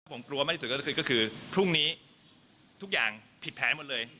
ผมกลัวมากที่สุดก็คือพรุ่งนี้ทุกอย่างผิดแผนหมดเลย